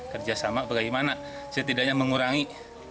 kerjasama bagaimana setidaknya mengurangi